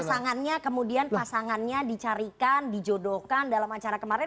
pasangannya kemudian pasangannya dicarikan dijodohkan dalam acara kemarin